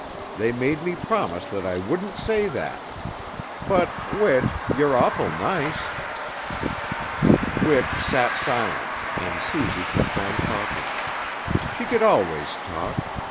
They made me promise that I wouldn't say that. But Whit, you're awful nice." Whit sat silent, and Suzy kept on talking. She could always talk.